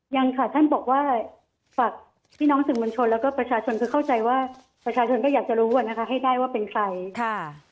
ยังค่ะท่านบอกว่าฝากพี่น้องสื่อมวลชนแล้วก็ประชาชนคือเข้าใจว่าประชาชนก็อยากจะรู้อ่ะนะคะให้ได้ว่าเป็นใครค่ะ